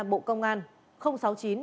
bộ công an